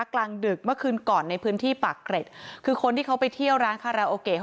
กลางดึกเมื่อคืนก่อนในพื้นที่ปรร